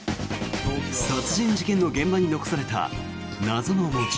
殺人事件の現場に残された謎の文字。